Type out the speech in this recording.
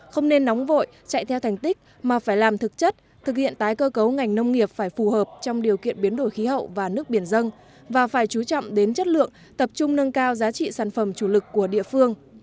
không nên nóng vội chạy theo thành tích mà phải làm thực chất thực hiện tái cơ cấu ngành nông nghiệp phải phù hợp trong điều kiện biến đổi khí hậu và nước biển dân và phải chú trọng đến chất lượng tập trung nâng cao giá trị sản phẩm chủ lực của địa phương